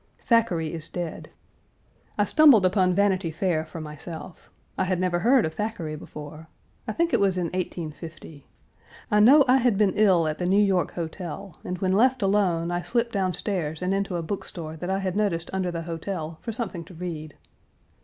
Thackeray is dead. I stumbled upon Vanity Fair for myself. I had never heard of Thackeray before. I think it was in 1850. I know I had been ill at the New York Hotel,1 and when left alone, I slipped down stairs and into a bookstore that I had noticed under the hotel, for something to read.